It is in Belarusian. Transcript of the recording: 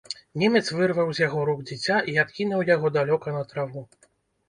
Немец вырваў з яго рук дзіця і адкінуў яго далёка на траву.